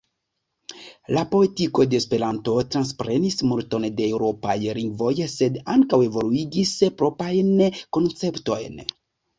La poetiko de Esperanto transprenis multon de eŭropaj lingvoj, sed ankaŭ evoluigis proprajn konceptojn.